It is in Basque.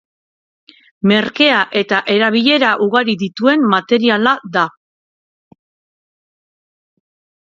Merkea eta erabilera ugari dituen materiala da.